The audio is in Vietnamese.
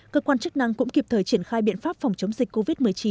cơ quan chức năng cũng kịp thời triển khai biện pháp phòng chống dịch covid một mươi chín